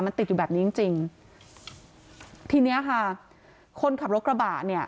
มันติดอยู่แบบนี้จริงจริงทีเนี้ยค่ะคนขับรถกระบะเนี่ย